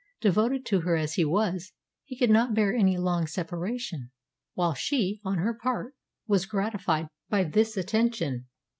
Devoted to her as he was, he could not bear any long separation; while she, on her part, was gratified by this attention.